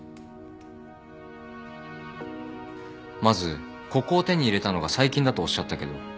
まずここを手に入れたのが最近だとおっしゃったけど。